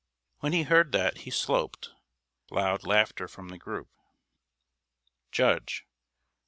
When he heard that, he sloped. [Loud laughter from the group.] JUDGE.